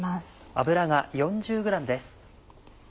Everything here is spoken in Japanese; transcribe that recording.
油が４０ｇです。